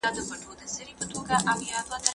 که کړکۍ جالۍ ولري، نو مچان کور ته نه ننوځي.